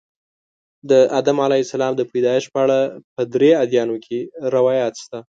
د آدم علیه السلام د پیدایښت په اړه په درې ادیانو کې روایات شته.